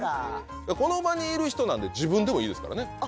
この場にいる人なんで自分でもいいですからね。